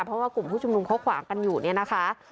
เพราะว่ากลุ่มผู้ชุมนุมเขาขวางกันอยู่เนี่ยนะคะ